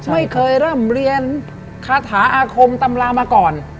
ไม่เคยร่ำเรียนคาถาอาคมตำรามาก่อน